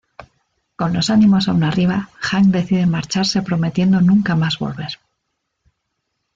Con los ánimos aun arriba Hank decide marcharse prometiendo nunca más volver.